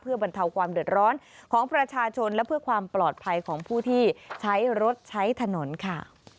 บรรเทาความเดือดร้อนของประชาชนและเพื่อความปลอดภัยของผู้ที่ใช้รถใช้ถนนค่ะ